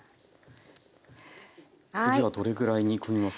次はどれぐらい煮込みますか？